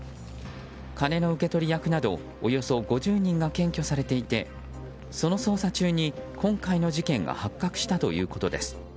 金の受け取り役などおよそ５０人が検挙されていてその捜査中に、今回の事件が発覚したということです。